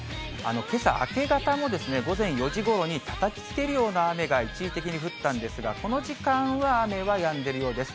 けさ明け方もですね、午前４時ごろに、たたきつけるような雨が一時的に降ったんですが、この時間は雨はやんでるようです。